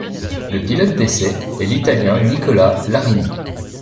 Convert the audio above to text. Le pilote d'essais est l'Italien Nicola Larini.